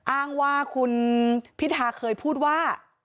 อ้างว่าคุณพิธาเคยพูดว่า